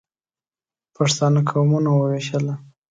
پښتانه قومونه ووېشله.